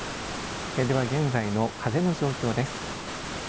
では、現在の風の状況です。